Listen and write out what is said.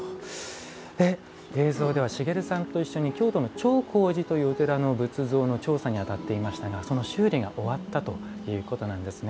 映像では茂さんと一緒に京都の長香寺というお寺の仏像の調査に当たっていましたがその修理が終わったということなんですね。